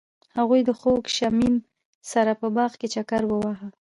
هغوی د خوږ شمیم سره په باغ کې چکر وواهه.